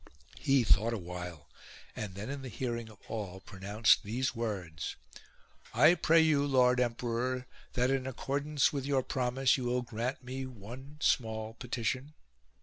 He thought awhile and then in the hearing of all pronounced these words :" I pray you, lord emperor, that in accordance with your promise you will grant me one small petition."